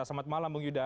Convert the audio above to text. selamat malam bung yuda